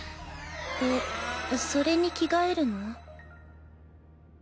えっそれに着替えるの？